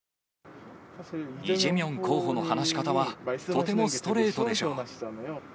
イ・ジェミョン候補の話し方は、とてもストレートでしょう。